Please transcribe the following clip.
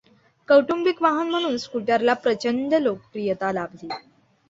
कौटुंबिक वाहन म्हणून स्कूटरला प्रचंड लोकप्रियता लाभली.